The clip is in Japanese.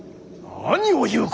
何を言うか！